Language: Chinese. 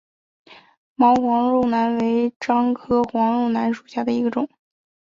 毛黄肉楠为樟科黄肉楠属下的一个种。